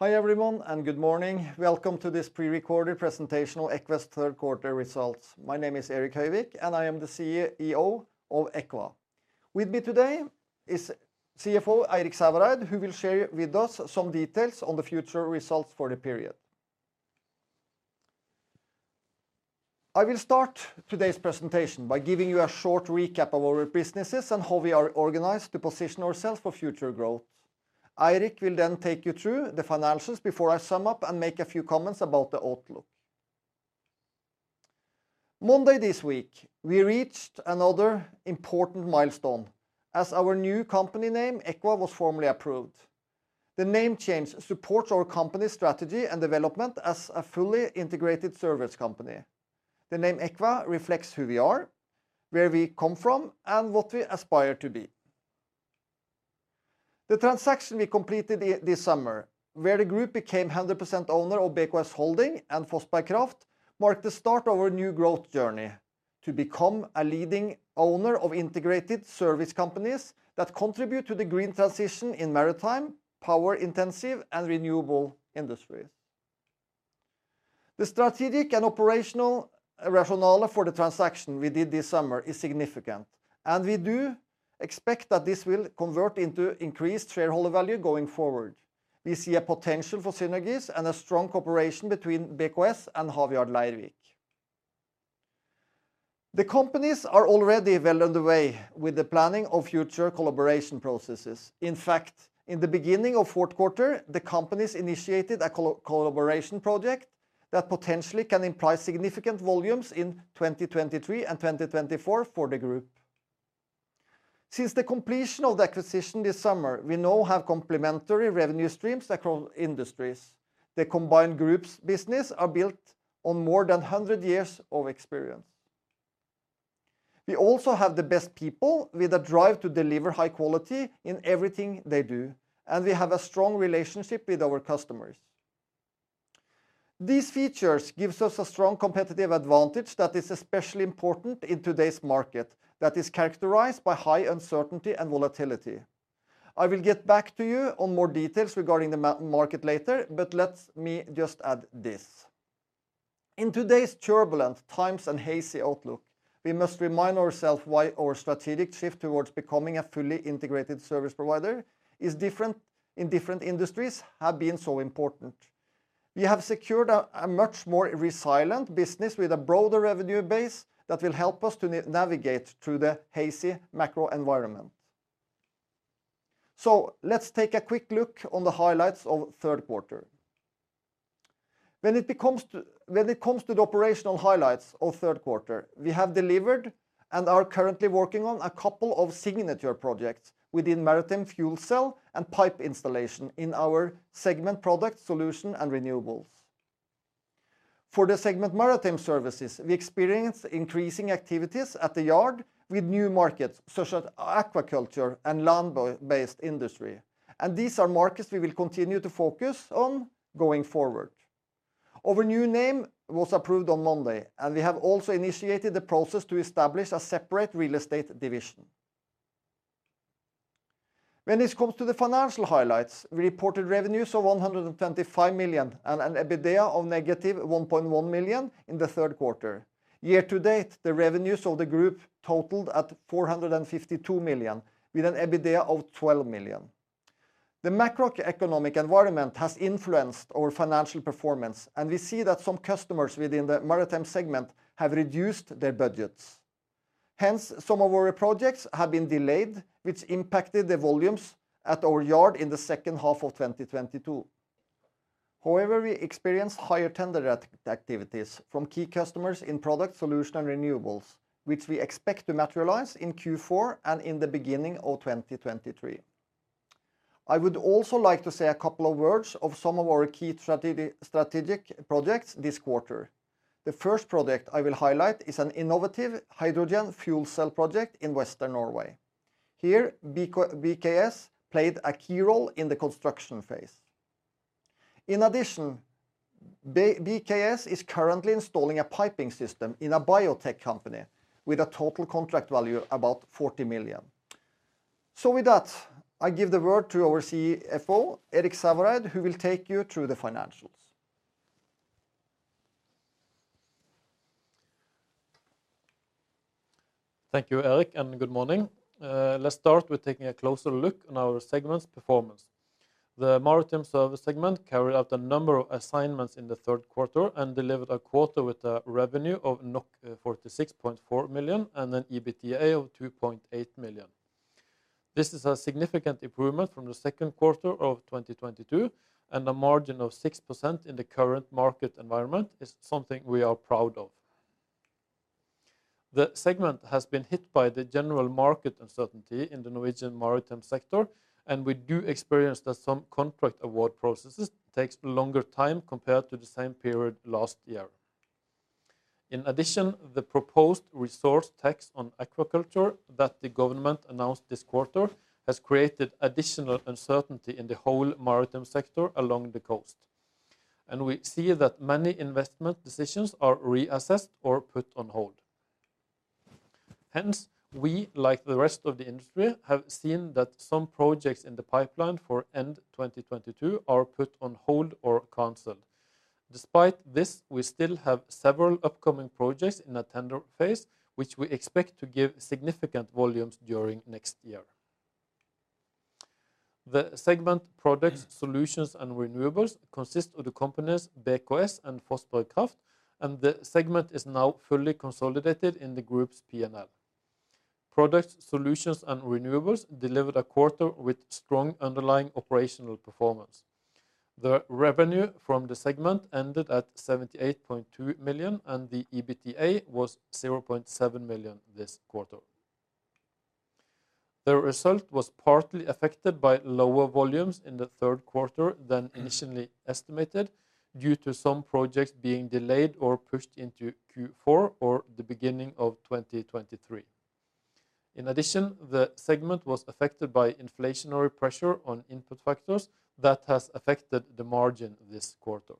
Hi, everyone, and good morning. Welcome to this prerecorded presentation of Eqva's third quarter results. My name is Erik Høyvik, and I am the CEO of Eqva. With me today is CFO Eirik Sævareid, who will share with us some details on the financial results for the period. I will start today's presentation by giving you a short recap of our businesses and how we are organized to position ourselves for future growth. Eirik will then take you through the financials before I sum up and make a few comments about the outlook. Monday this week, we reached another important milestone as our new company name, Eqva, was formally approved. The name change supports our company strategy and development as a fully integrated service company. The name Eqva reflects who we are, where we come from, and what we aspire to be. The transaction we completed this summer, where the group became 100% owner of BKS Holding and Fossberg Kraft, marked the start of our new growth journey to become a leading owner of integrated service companies that contribute to the green transition in maritime, power-intensive, and renewable industries. The strategic and operational rationale for the transaction we did this summer is significant, and we do expect that this will convert into increased shareholder value going forward. We see a potential for synergies and a strong cooperation between BKS and Havyard Leirvik. The companies are already well on the way with the planning of future collaboration processes. In fact, in the beginning of fourth quarter, the companies initiated a collaboration project that potentially can imply significant volumes in 2023 and 2024 for the group. Since the completion of the acquisition this summer, we now have complementary revenue streams across industries. The combined groups business are built on more than 100 years of experience. We also have the best people with the drive to deliver high quality in everything they do, and we have a strong relationship with our customers. These features gives us a strong competitive advantage that is especially important in today's market that is characterized by high uncertainty and volatility. I will get back to you on more details regarding the maritime market later, but let me just add this. In today's turbulent times and hazy outlook, we must remind ourselves why our strategic shift towards becoming a fully integrated service provider is different in different industries have been so important. We have secured a much more resilient business with a broader revenue base that will help us to navigate through the hazy macro environment. Let's take a quick look on the highlights of third quarter. When it comes to the operational highlights of third quarter, we have delivered and are currently working on a couple of signature projects within maritime, fuel cell, and pipe installation in our segment Products, Solutions and Renewables. For the segment Maritime Services, we experience increasing activities at the yard with new markets such as aquaculture and land-based industry, and these are markets we will continue to focus on going forward. Our new name was approved on Monday, and we have also initiated the process to establish a separate real estate division. When it comes to the financial highlights, we reported revenues of 125 million and an EBITDA of -1.1 million in the third quarter. Year to date, the revenues of the group totaled 452 million with an EBITDA of 12 million. The macroeconomic environment has influenced our financial performance, and we see that some customers within Maritime Services have reduced their budgets. Hence, some of our projects have been delayed, which impacted the volumes at our yard in the second half of 2022. However, we experienced higher tender activities from key customers in Products, Solutions & Renewables, which we expect to materialize in Q4 and in the beginning of 2023. I would also like to say a couple of words on some of our key strategic projects this quarter. The first project I will highlight is an innovative hydrogen fuel cell project in Western Norway. Here, BKS played a key role in the construction phase. In addition, BKS is currently installing a piping system in a biotech company with a total contract value of about 40 million. With that, I give the word to our CFO, Eirik Sævareid, who will take you through the financials. Thank you, Erik, and good morning. Let's start with taking a closer look at our segments performance. The Maritime Services segment carried out a number of assignments in the third quarter and delivered a quarter with a revenue of 46.4 million and an EBITDA of 2.8 million. This is a significant improvement from the second quarter of 2022 and a margin of 6% in the current market environment is something we are proud of. The segment has been hit by the general market uncertainty in the Norwegian maritime sector, and we do experience that some contract award processes takes longer time compared to the same period last year. In addition, the proposed resource tax on aquaculture that the government announced this quarter has created additional uncertainty in the whole maritime sector along the coast, and we see that many investment decisions are reassessed or put on hold. Hence, we, like the rest of the industry, have seen that some projects in the pipeline for end 2022 are put on hold or canceled. Despite this, we still have several upcoming projects in the tender phase, which we expect to give significant volumes during next year. The segment Products, Solutions & Renewables consist of the company's BKS and Fossberg Kraft, and the segment is now fully consolidated in the group's P&L. Products, Solutions & Renewables delivered a quarter with strong underlying operational performance. The revenue from the segment ended at 78.2 million, and the EBITDA was 0.7 million this quarter. The result was partly affected by lower volumes in the third quarter than initially estimated due to some projects being delayed or pushed into Q4 or the beginning of 2023. In addition, the segment was affected by inflationary pressure on input factors that has affected the margin this quarter.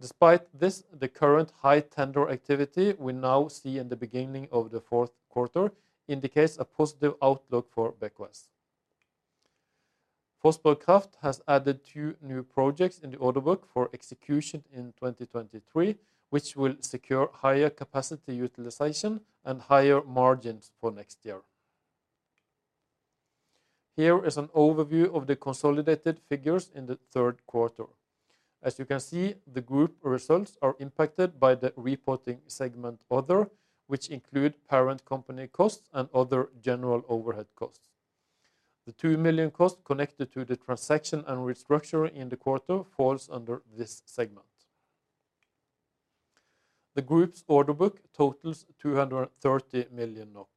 Despite this, the current high tender activity we now see in the beginning of the fourth quarter indicates a positive outlook for BKS. Fossberg Kraft has added two new projects in the order book for execution in 2023, which will secure higher capacity utilization and higher margins for next year. Here is an overview of the consolidated figures in the third quarter. As you can see, the group results are impacted by the reporting segment other, which include parent company costs and other general overhead costs. The 2 million costs connected to the transaction and restructuring in the quarter falls under this segment. The group's order book totals 230 million NOK.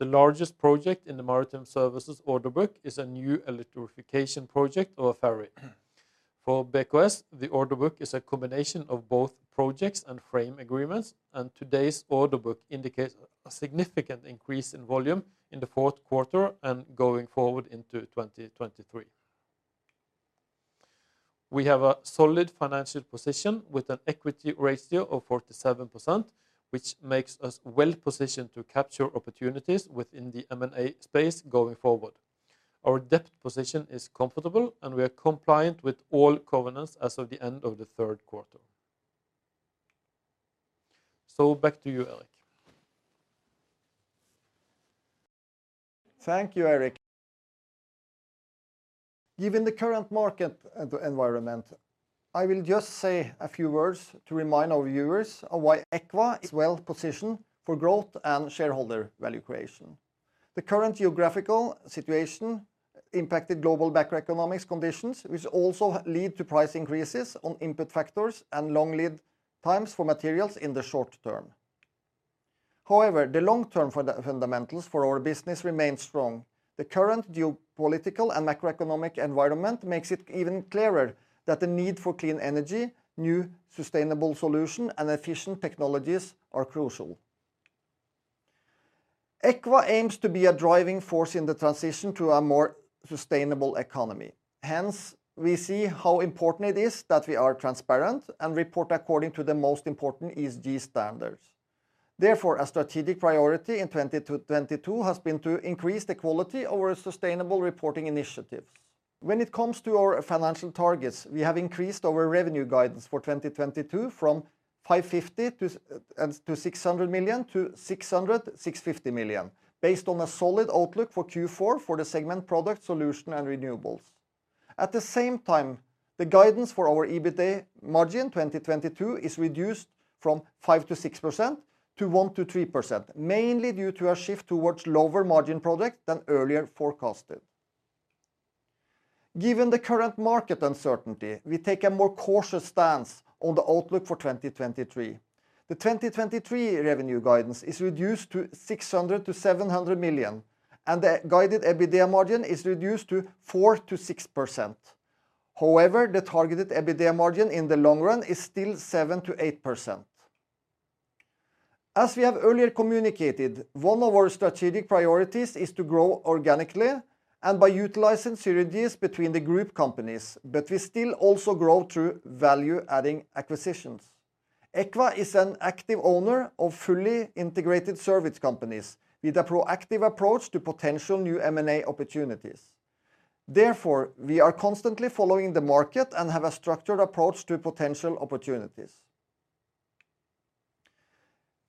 The largest project in the Maritime Services order book is a new electrification project of a ferry. For BKS, the order book is a combination of both projects and frame agreements, and today's order book indicates a significant increase in volume in the fourth quarter and going forward into 2023. We have a solid financial position with an equity ratio of 47%, which makes us well-positioned to capture opportunities within the M&A space going forward. Our debt position is comfortable, and we are compliant with all covenants as of the end of the third quarter. Back to you, Erik. Thank you, Eirik. Given the current market environment, I will just say a few words to remind our viewers of why Eqva is well-positioned for growth and shareholder value creation. The current geopolitical situation impacted global macroeconomic conditions, which also lead to price increases on input factors and long lead times for materials in the short term. However, the long-term for the fundamentals for our business remains strong. The current geopolitical and macroeconomic environment makes it even clearer that the need for clean energy, new sustainable solution and efficient technologies are crucial. Eqva aims to be a driving force in the transition to a more sustainable economy. Hence, we see how important it is that we are transparent and report according to the most important ESG standards. Therefore, a strategic priority in 2020-2022 has been to increase the quality of our sustainable reporting initiatives. When it comes to our financial targets, we have increased our revenue guidance for 2022 from 550 million- 650 million based on a solid outlook for Q4 for the segment Products, Solutions & Renewables. At the same time, the guidance for our EBITDA margin in 2022 is reduced from 5%-6% to 1%-3%, mainly due to a shift towards lower margin products than earlier forecasted. Given the current market uncertainty, we take a more cautious stance on the outlook for 2023. The 2023 revenue guidance is reduced to 600 million-700 million, and the guided EBITDA margin is reduced to 4%-6%. However, the targeted EBITDA margin in the long run is still 7%-8%. As we have earlier communicated, one of our strategic priorities is to grow organically and by utilizing synergies between the group companies, but we still also grow through value-adding acquisitions. Eqva is an active owner of fully integrated service companies with a proactive approach to potential new M&A opportunities. Therefore, we are constantly following the market and have a structured approach to potential opportunities.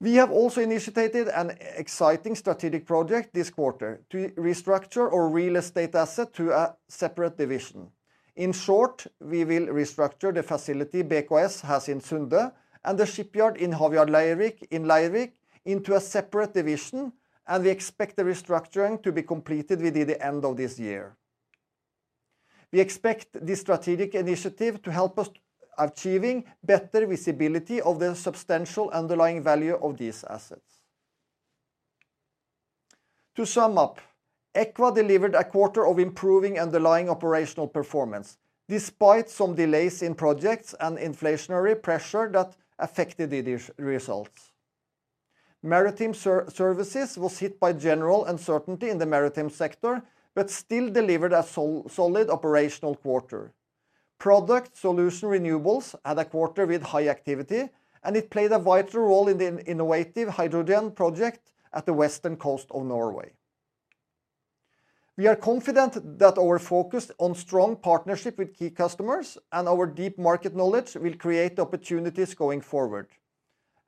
We have also initiated an exciting strategic project this quarter to restructure our real estate asset to a separate division. In short, we will restructure the facility BKS has in Sunde and the shipyard in Havyard Leirvik in Leirvik into a separate division, and we expect the restructuring to be completed within the end of this year. We expect this strategic initiative to help us achieving better visibility of the substantial underlying value of these assets. To sum up, Eqva delivered a quarter of improving underlying operational performance despite some delays in projects and inflationary pressure that affected the results. Maritime Services was hit by general uncertainty in the maritime sector but still delivered a solid operational quarter. Products, Solutions & Renewables had a quarter with high activity, and it played a vital role in the innovative hydrogen project at the western coast of Norway. We are confident that our focus on strong partnership with key customers and our deep market knowledge will create opportunities going forward,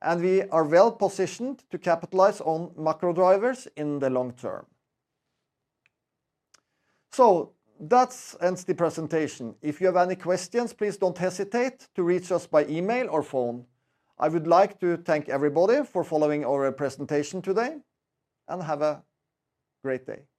and we are well-positioned to capitalize on macro drivers in the long-term. That ends the presentation. If you have any questions, please don't hesitate to reach us by email or phone. I would like to thank everybody for following our presentation today and have a great day.